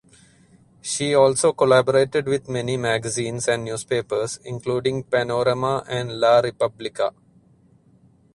She also collaborated with many magazines and newspapers including Panorama and La Repubblica.